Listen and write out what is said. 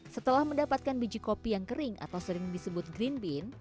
setelah mendapatkan biji kopi yang kering atau sering disebut green bean